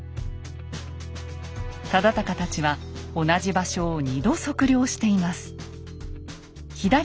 忠敬たちは同じ場所を２度測量しています。